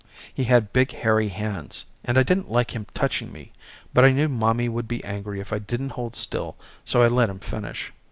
He had big hairy hands and I didn't like him touching me but I knew mommy would be angry if I didn't hold still so I let him finish.